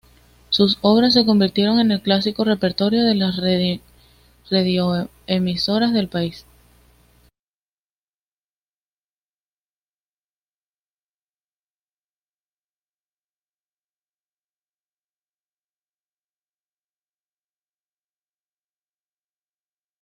Asimismo, se tomaron medidas especiales para garantizar la seguridad de la comunidad turcochipriota.